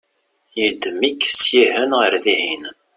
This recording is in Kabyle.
yeddem-ik syihen ɣer dihin